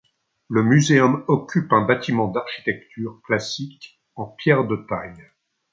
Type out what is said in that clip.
Le Muséum occupe un bâtiment d'architecture classique en pierres de taille.